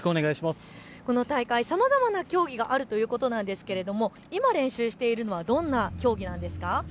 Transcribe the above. この大会、さまざまな競技があるということなんですが今、練習しているのはどんな競技ですか。